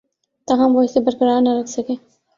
تاہم وہ اسے برقرار نہ رکھ سکے